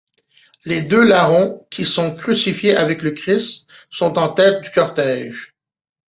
Les deux larrons qui sont crucifiés avec le Christ sont en tête du cortège.